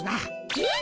えっ？